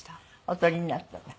お取りになったのね。